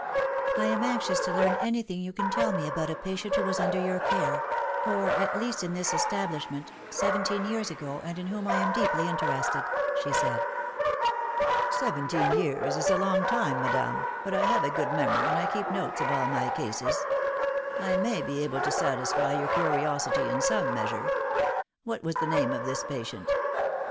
" I am anxious to learn anything you can tell me about a patient who was under your care or, at least, in this establish ment seventeen years ago, and in whom I am deeply interested," she said. " Seventeen years is a long time, madame, but I have a good memory, and I keep notes of all my cases. I may be able to satisfy your curiosity in some measure. What was the name of this patient